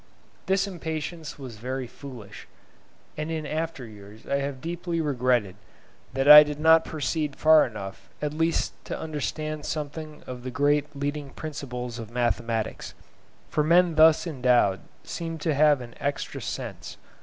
This impatience was very foolish, and in after years I have deeply regretted that I did not proceed far enough at least to understand something of the great leading principles of mathematics, for men thus endowed seem to have an extra sense.